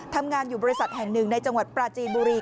ทำงานอยู่บริษัทแห่งหนึ่งในจังหวัดปราจีนบุรี